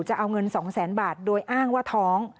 จะเอาเงิน๒แสนบาทโดยอ้างว่าท้อง